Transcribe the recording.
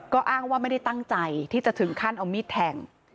ก็ไม่ได้ตั้งใจที่จะถึงขั้นเอามิดแทง